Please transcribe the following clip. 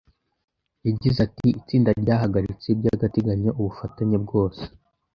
yagize ati “Itsinda ryahagaritse by’agateganyo ubufatanye bwose